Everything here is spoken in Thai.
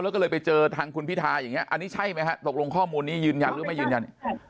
แล้วก็เลยไปเจอทางคุณพิทาอย่างนี้อันนี้ใช่ไหมฮะตกลงข้อมูลนี้ยืนยันหรือไม่ยืนยัน